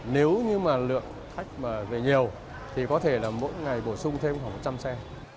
nếu như mà lượng khách mà về nhiều thì có thể là mỗi ngày bổ sung thêm khoảng một trăm linh xe